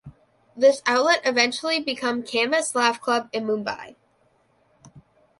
This outlet eventually become Canvas Laugh Club in Mumbai.